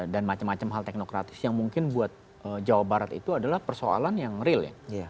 dan macam macam hal teknokratis yang mungkin buat jawa barat itu adalah persoalan yang real